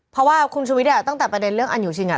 เพราะว่าคุณชุวิตตั้งแต่ประเด็นเรื่องอันอยู่ชิงอ่ะ